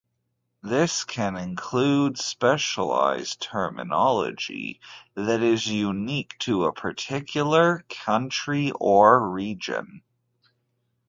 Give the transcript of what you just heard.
This can include specialized terminology that is unique to a particular country or region.